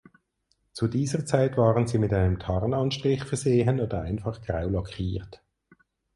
Zu dieser Zeit waren sie mit einem Tarnanstrich versehen oder einfach grau lackiert.